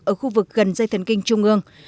ở khu vực gần dây thần kinh trung ương